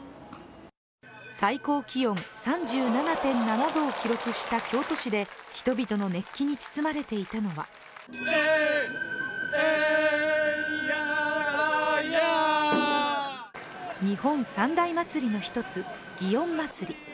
最高気温３７．７度を記録した京都市で人々の熱気に包まれていたのは日本三大祭りの１つ、祇園祭。